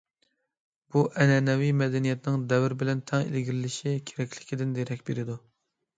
بۇ ئەنئەنىۋى مەدەنىيەتنىڭ دەۋر بىلەن تەڭ ئىلگىرىلىشى كېرەكلىكىدىن دېرەك بېرىدۇ.